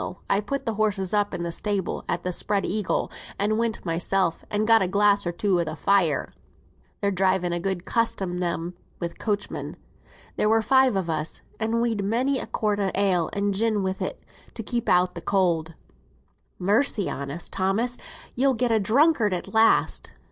I put th' horses up in th' stables at th' Spread Eagle, and went mysel, and got a glass or two by th' fire. They're driving a good custom, them, wi' coachmen. There were five on us, and we'd many a quart o' ale, and gin wi' it, to keep out cold." "Mercy on us, Thomas; you'll get a drunkard at last!"